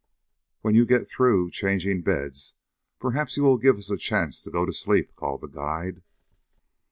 "When you get through changing beds perhaps you will give us a chance to go to sleep," called the guide.